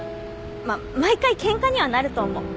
まっ毎回ケンカにはなると思う。